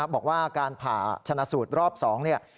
บอกว่าการผ่าชนะสูตรรอบ๒เนี่ย